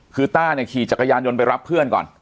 คือต้าเนี่ยขี่จักรยานยนต์ไปรับเพื่อนก่อน